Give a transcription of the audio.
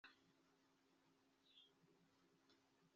nzumve ko mushikamye mu mitima